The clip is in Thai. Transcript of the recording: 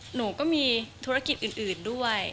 หนูก็มีธุรกิจอื่นด้วย